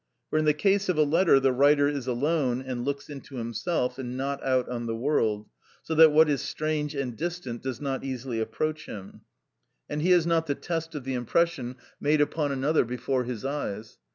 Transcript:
For in the case of a letter the writer is alone, and looks into himself, and not out on the world, so that what is strange and distant does not easily approach him; and he has not the test of the impression made upon another before his eyes.